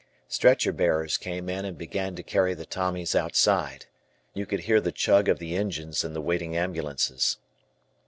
Stretcher bearers came in and began to carry the Tommies outside. You could hear the chug of the engines in the waiting ambulances.